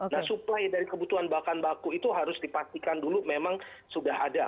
nah suplai dari kebutuhan bahan baku itu harus dipastikan dulu memang sudah ada